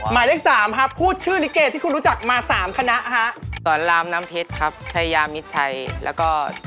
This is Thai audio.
หมายเลขหนึ่งคุณเคยได้มาแลสูงสุดเท่าไหร่คะ